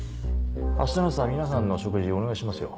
明日の朝皆さんのお食事お願いしますよ。